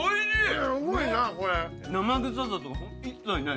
生臭さとか一切ない。